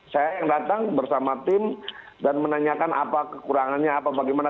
saya yang datang bersama tim dan menanyakan apa kekurangannya apa bagaimana